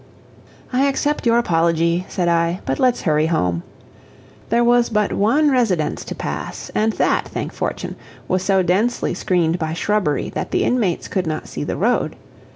"I accept your apology," said I, "but let's hurry home." There was but one residence to pass, and that, thank fortune, was so densely screened by shrubbery that the inmates could not see the road.